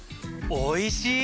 おいしい！